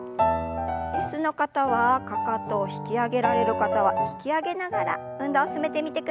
椅子の方はかかとを引き上げられる方は引き上げながら運動を進めてみてください。